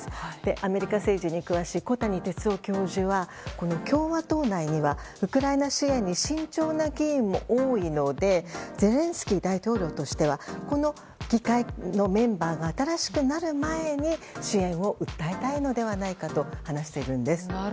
アメリカ政治に詳しい小谷哲男教授は共和党内にはウクライナ支援に慎重な議員も多いのでゼレンスキー大統領としては議会のメンバーが新しくなる前に支援を訴えたいのではないかと話しているんです。